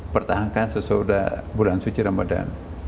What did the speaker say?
pertahankan sesudah bulan suci ramadan